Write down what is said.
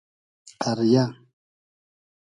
قئریۂ